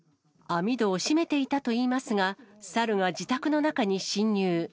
網戸を閉めていたといいますが、サルが自宅の中に侵入。